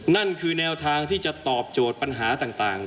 นั่นคือแนวทางที่จะตอบโจทย์ปัญหาต่าง